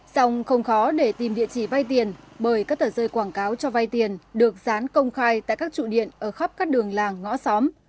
song không khó để tìm địa chỉ vay tiền bởi các tờ rơi quảng cáo cho vay tiền được dán công khai tại các trụ điện ở khắp các đường làng ngõ xóm